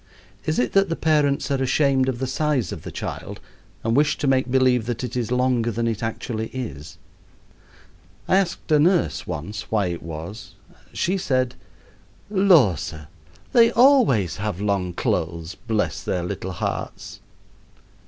Is it that the parents are ashamed of the size of the child and wish to make believe that it is longer than it actually is? I asked a nurse once why it was. She said: "Lor', sir, they always have long clothes, bless their little hearts."